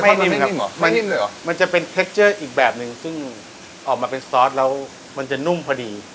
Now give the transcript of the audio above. ไม่นิ่มครับมันจะเป็นเทคเจอร์อีกแบบหนึ่งซึ่งออกมาเป็นซอสแล้วมันจะนุ่มพอดี